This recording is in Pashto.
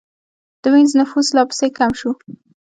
د وینز نفوس لا پسې کم شو.